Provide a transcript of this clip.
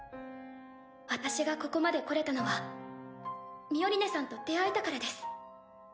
私がここまで来れたのはミオリネさんと出会えたからです。